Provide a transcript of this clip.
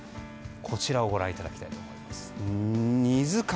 こちらをご覧いただきたいと思います。